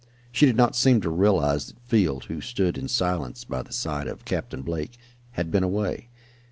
She did not seem to realize that Field, who stood in silence by the side of Captain Blake, had been away.